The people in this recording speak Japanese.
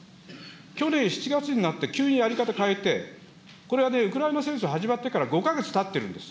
去年７月になって、急にやり方変えて、これはね、ウクライナ戦争始まってから５か月たってるんです。